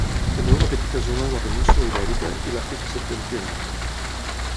També a una petita zona de la península Ibèrica i l'Àfrica septentrional.